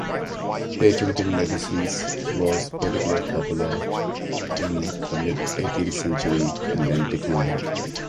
Patenting medicines was particular popular in the mid-eighteenth century and then declined.